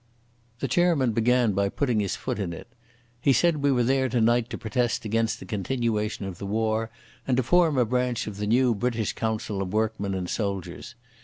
The chairman began by putting his foot in it. He said we were there tonight to protest against the continuation of the war and to form a branch of the new British Council of Workmen and Soldiers.